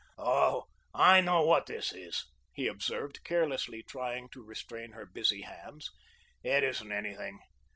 "Oh, I know what this is," he observed, carelessly trying to restrain her busy hands. "It isn't anything.